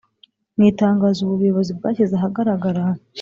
Mu itangazo ubu buyobozi bwashyize ahagaragara